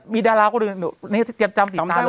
มีดารากลุ่มนี้เตรียมจำติดตามเลย